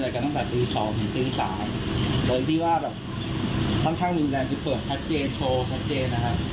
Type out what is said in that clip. ค่อนข้างมีแบบจะเปิดทัชเจนโชว์ทัชเจนนะครับ